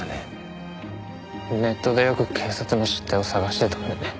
ネットでよく警察の失態を探してたからね。